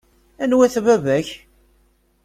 Anwa-t baba-k?